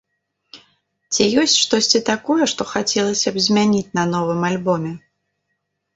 Ці ёсць штосьці такое, што хацелася б змяніць на новым альбоме?